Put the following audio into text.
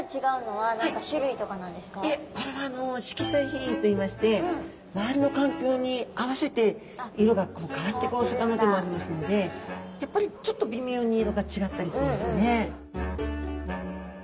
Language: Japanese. いえこれは色彩変異といいまして周りの環境に合わせて色が変わっていくお魚でもありますのでやっぱりちょっと微妙に色が違ったりするんですね。